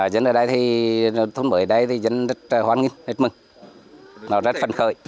dân ở đây thì thôn mới ở đây thì dân rất hoan nghênh rất mừng rất phân khơi